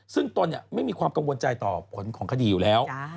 ซึ่งตนไม่มีความกังวลใจต่อผลของคดีอยู่แล้ว